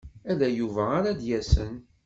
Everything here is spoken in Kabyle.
Ala Yuba ara d-yasen.